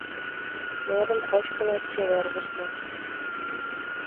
Мӧрым кочкынак чевергышна.